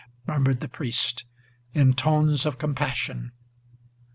murmured the priest; in tones of compassion.